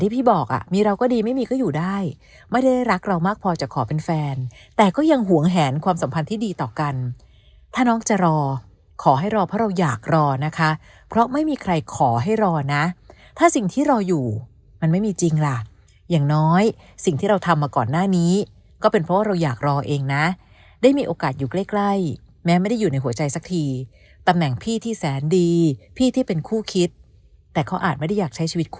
พี่บอกมีเราก็ดีไม่มีก็อยู่ได้ไม่ได้รักเรามากพอจะขอเป็นแฟนแต่ก็ยังหวงแหนความสัมพันธ์ที่ดีต่อกันถ้าน้องจะรอขอให้รอเพราะเราอยากรอนะคะเพราะไม่มีใครขอให้รอนะถ้าสิ่งที่รออยู่มันไม่มีจริงล่ะอย่างน้อยสิ่งที่เราทำมาก่อนหน้านี้ก็เป็นเพราะเราอยากรอเองนะได้มีโอกาสอยู่ใกล้แม้ไม่ได้อยู่ในหัวใจสักทีต